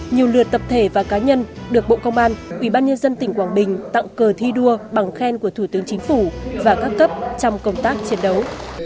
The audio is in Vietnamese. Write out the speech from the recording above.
nhiều lượt tập thể và cá nhân được bộ công an ubnd tỉnh quảng bình tặng cờ thi đua bằng khen của thủ tướng chính phủ và các cấp trong công tác chiến đấu